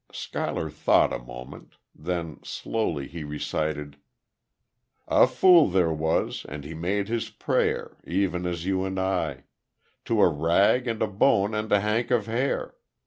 Schuyler thought a moment. Then, slowly, he recited: "A fool there was, and he made his prayer, (Even as you and I) To a rag and a bone and a hank of hair.